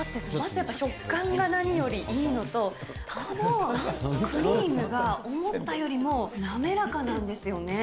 食感が何よりいいのと、クリームが思ったよりも滑らかなんですよね。